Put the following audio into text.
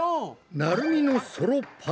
なるみのソロパートは。